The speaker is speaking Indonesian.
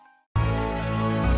habis selesai masih ada yang mau riset